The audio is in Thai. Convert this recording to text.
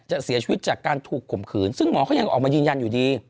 เสียชีวิตจากการถูกข่มขืนซึ่งหมอเขายังออกมายืนยันอยู่ดี